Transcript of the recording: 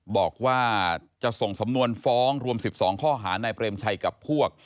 บอกว่าจะส่งสำนวนฟ้องรวม๑๒ข้อหานายเปรมชัยกับพวก